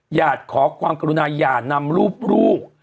หญาติขอความกรุณาหญาตินำรูปลูก